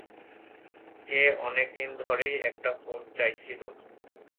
কে অনেক দিন ধরেই একটা ফোন চাইছিল?